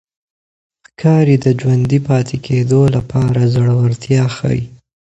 ښکاري د ژوندي پاتې کېدو لپاره زړورتیا ښيي.